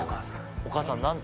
お母さん何て？